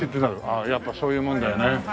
ああやっぱそういうもんだよね。